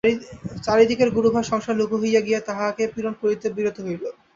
চারি দিকের গুরুভার সংসার লঘু হইয়া গিয়া তাঁহাকে পীড়ন করিতে বিরত হইল।